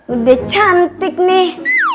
udah cantik nih